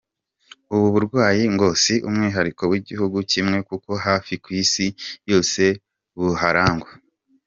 Ubu burwayi ngo si umwihariko w’igihugu kimwe kuko hafi ku isi yose buharangwa.